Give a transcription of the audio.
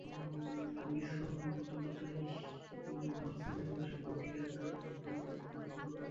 বিস্ফোরণের প্রচণ্ডতায় ইমামবাড়ার ছাদ ধসে পড়লে তার নিচে অনেকে চাপা পড়েন।